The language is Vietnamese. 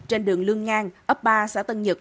trên đường lương ngang ấp ba xã tân nhật